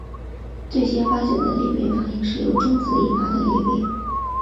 最先发现的裂变反应是由中子引发的裂变。